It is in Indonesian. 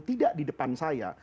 tidak di depan saya